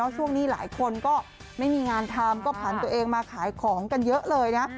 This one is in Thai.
ช่วงนี้หลายคนก็ไม่มีงานทำก็ผ่านตัวเองมาขายของกันเยอะเลยนะ